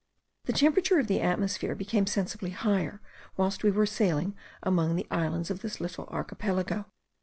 The temperature of the atmosphere became sensibly higher whilst we were sailing among the islands of this little archipelago.